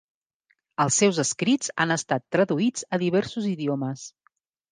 Els seus escrits han estat traduïts a diversos idiomes.